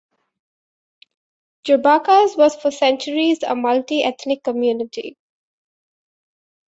Jurbarkas was for centuries a multi-ethnic community.